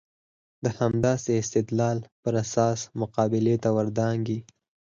د همداسې استدلال پر اساس مقابلې ته ور دانګي.